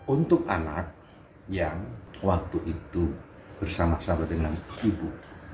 untuk anak yang waktu itu bersama sama dengan ibu